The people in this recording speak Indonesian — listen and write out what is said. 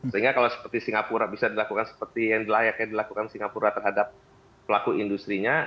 sehingga kalau seperti singapura bisa dilakukan seperti yang layaknya dilakukan singapura terhadap pelaku industri nya